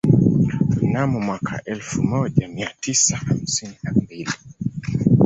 Mnamo mwaka elfu moja mia tisa hamsini na mbili